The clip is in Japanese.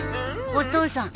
・お父さん。